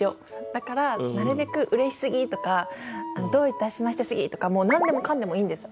だからなるべく「うれしすぎ」とか「どういたしましてすぎ」とかなんでもかんでもいいんです。